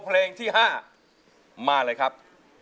เพลงที่๕มาเลยครับ